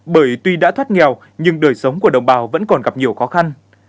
bởi tuy đã thoát nghèo nhưng đời sống của đồng bào vẫn còn gặp nhiều khó khăn